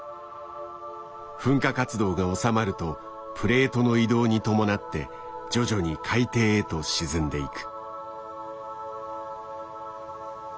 噴火活動が収まるとプレートの移動に伴って徐々に海底へと沈んでいく。